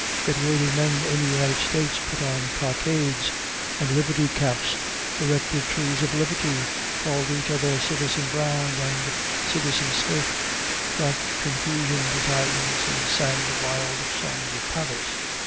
Yet worthy men in the United States put on cockades and liberty caps, erected trees of liberty, called each other "Citizen Brown" and "Citizen Smith," drank confusion to tyrants, and sang the wild songs of Paris.